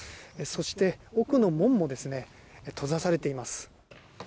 そして、奥の門も閉ざされています。